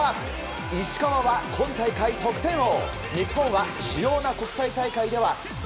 石川は今大会、得点王。